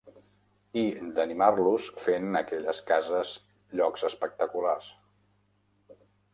I d'animar-los fent aquelles cases llocs espectaculars.